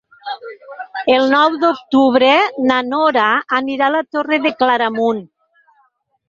El nou d'octubre na Nora anirà a la Torre de Claramunt.